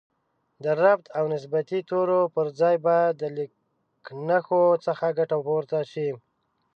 د ربط او نسبتي تورو پر ځای باید د لیکنښو څخه ګټه پورته شي